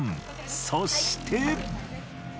そして。